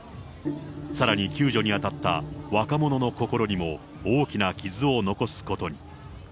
さらに救助に当たった若者の心にも、大きな傷を残すことに。